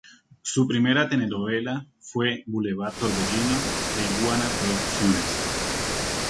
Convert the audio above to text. Su primera telenovela fue "Boulevard Torbellino", de Iguana Producciones.